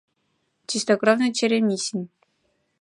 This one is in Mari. — Чистокровный черемисин.